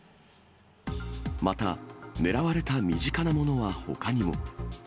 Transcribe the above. また、狙われた身近なものはほかにも。